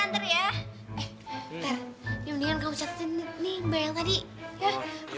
eh bentar ya mendingan kamu catetin nih mbak yang tadi ya